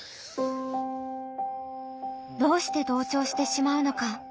どうして同調してしまうのか。